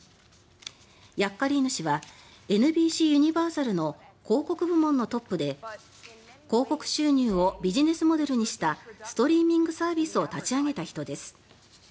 ヤッカリーノ氏はＮＢＣユニバーサルの広告部門のトップで広告収入をビジネスモデルにしたストリーミングサービスを立ち上げた人です。